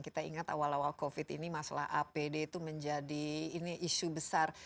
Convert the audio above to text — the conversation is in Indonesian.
kita ingat awal awal covid ini masalah apd itu menjadi ini isu besar